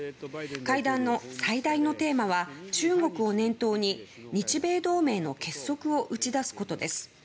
会談の最大のテーマは中国を念頭に日米同盟の結束を打ち出すことです。